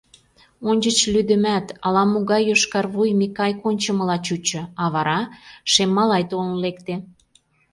Ончыч лӱдымат, ала-могай йошкарвуй Миклай кончымыла чучо, а вара... шем малай толын лекте.